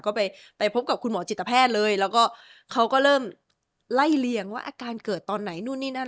ก็ไปไปพบกับคุณหมอจิตแพทย์เลยแล้วก็เขาก็เริ่มไล่เลียงว่าอาการเกิดตอนไหนนู่นนี่นั่น